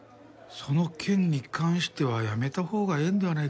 その件に関してはやめたほうがええんではないかと。